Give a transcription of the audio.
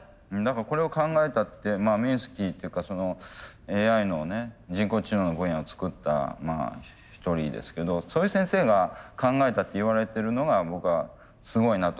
これを考えたミンスキーっていうかＡＩの人工知能の分野を作った一人ですけどそういう先生が考えたっていわれてるのが僕はすごいなと思うんですよ。